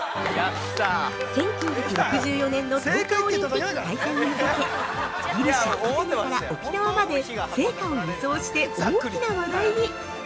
◆１９６４年の東京オリンピック開催に向けてギリシャ・アテネから沖縄まで聖火を輸送して大きな話題に！